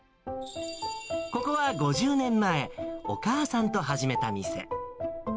ここは５０年前、お母さんと始めた店。